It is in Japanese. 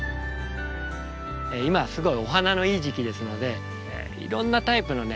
今すごいお花のいい時期ですのでいろんなタイプのね